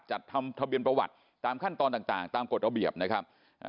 จัดทำทะเบียนประวัติตามขั้นตอนต่างตามกฎระเบียบนะครับ